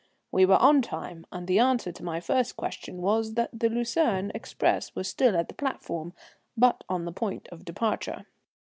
We were "on time," and the answer to my first question was that the Lucerne express was still at the platform, but on the point of departure.